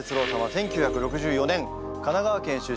１９６４年神奈川県出身。